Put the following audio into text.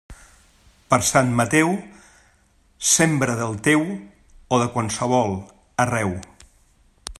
Per Sant Mateu, sembra del teu o de qualsevol, arreu.